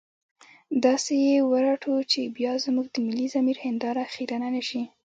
داسې يې ورټو چې بيا زموږ د ملي ضمير هنداره خيرنه نه شي.